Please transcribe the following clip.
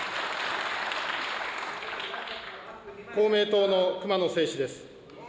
公明党の熊野正士です。